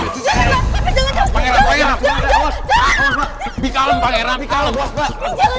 tidak ada apa apa lho